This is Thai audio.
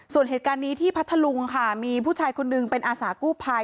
ส่วนเหตุการณ์นี้ที่พัทธลุงค่ะมีผู้ชายคนนึงเป็นอาสากู้ภัย